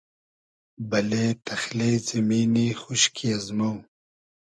بئلې تئخلې زیمینی خوشکی ازمۉ